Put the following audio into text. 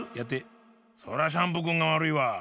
そらシャンプーくんがわるいわ。